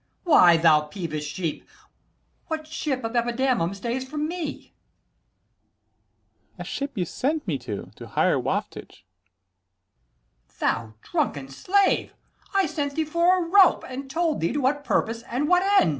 Why, thou peevish sheep, What ship of Epidamnum stays for me? Dro. S. A ship you sent me to, to hire waftage. 95 Ant. E. Thou drunken slave, I sent thee for a rope, And told thee to what purpose and what end.